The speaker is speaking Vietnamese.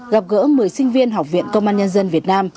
gặp gỡ một mươi sinh viên học viện công an nhân dân việt nam